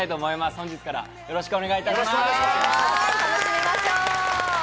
本日からよろしくお願いします。